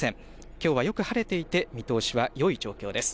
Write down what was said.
きょうはよく晴れていて見通しはよい状況です。